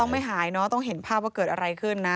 ไม่หายเนอะต้องเห็นภาพว่าเกิดอะไรขึ้นนะ